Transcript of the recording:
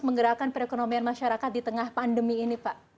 menggerakkan perekonomian masyarakat di tengah pandemi ini pak